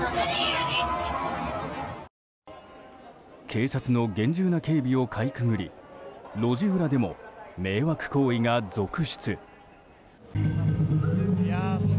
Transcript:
警察の厳重な警備をかいくぐり路地裏でも、迷惑行為が続出。